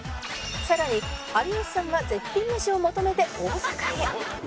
さらに有吉さんが絶品メシを求めて大阪へ